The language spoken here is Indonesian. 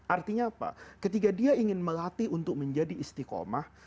artinya apa ketika dia ingin melatih untuk menjadi istiqomah